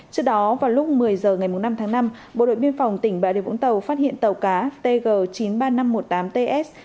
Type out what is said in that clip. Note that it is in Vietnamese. trước đó vào lúc một mươi h ngày năm tháng năm bộ đội biên phòng tỉnh bà rịa vũng tàu phát hiện tàu cá tg chín mươi ba nghìn năm trăm một mươi tám ts